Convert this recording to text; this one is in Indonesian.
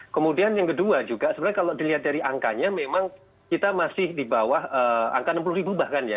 kemudian yang kedua juga sebenarnya kalau dilihat dari angkanya memang kita masih di bawah angka enam puluh ribu bahkan ya